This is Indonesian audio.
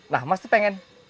nah mas tuh pengen